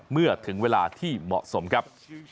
เมื่อถึงเวลาที่เหมาะสมครับ